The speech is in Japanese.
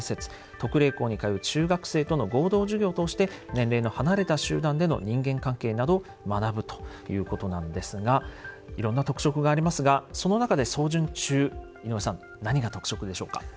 特例校に通う中学生との合同授業を通して年齢の離れた集団での人間関係など学ぶということなんですがいろんな特色がありますがその中で草潤中井上さん何が特色でしょうか？